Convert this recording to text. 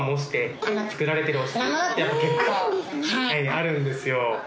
はいあるんですよ。